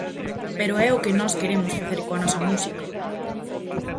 Pero é o que nós queremos facer coa nosa música.